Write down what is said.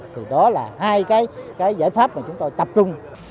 thì đó là hai cái giải pháp mà chúng tôi tập trung